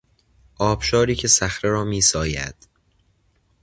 آبشاری که صخره را میساید